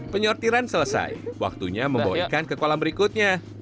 penyortiran selesai waktunya membawa ikan ke kolam berikutnya